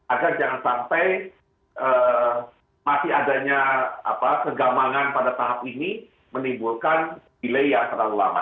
agar jangan sampai masih adanya kegamangan pada tahap ini menimbulkan delay yang terlalu lama